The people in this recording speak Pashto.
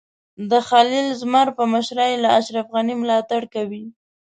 د خلیل زمر په مشرۍ له اشرف غني ملاتړ کوي.